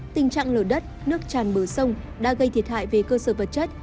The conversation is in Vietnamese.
tình trạng lở đất nước tràn bờ sông đã gây thiệt hại về cơ sở vật chất